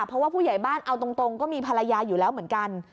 เพราะว่าผู้ใหญ่บ้านเอาตรงก็มีภรรยาอยู่แล้วเหมือนกัน